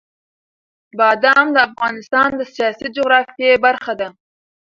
بادام د افغانستان د سیاسي جغرافیه برخه ده.